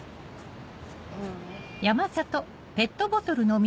うん。